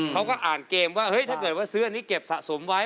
เขาก็อ่านเกมว่าเฮ้ยถ้าเกิดว่าซื้ออันนี้เก็บสะสมไว้